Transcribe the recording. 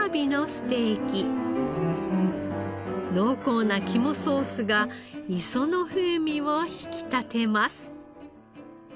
濃厚な肝ソースが磯の風味を引き立てます。